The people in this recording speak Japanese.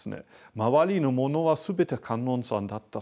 周りのものは全て観音さんだったと。